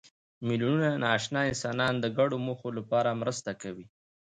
میلیونونه ناآشنا انسانان د ګډو موخو لپاره مرسته کوي.